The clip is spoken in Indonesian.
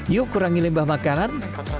yuk kurangi limbah makanan